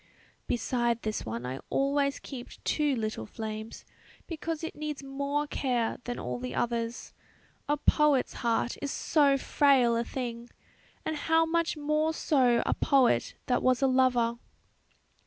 "Beside this one I always keep two little flames, because it needs more care than all the others; a poet's heart is so frail a thing; and how much more so a poet that was a lover!"